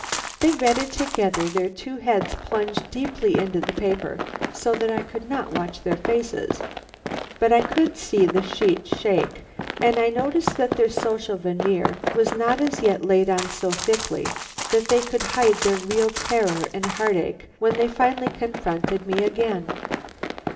They read it together, their two heads plunged deeply into the paper so that I could not watch their faces. But I could see the sheet shake, and I noticed that their social veneer was not as yet laid on so thickly that they could hide their real terror and heart ache when they finally confronted me again.